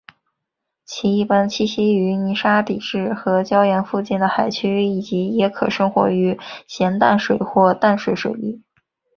其一般栖息于泥沙底质和岩礁附近的海区以及也可生活于咸淡水或淡水水域。